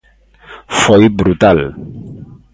Foi brutal.